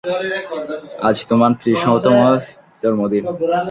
আজ তোমার ত্রিশতম জন্মদিন।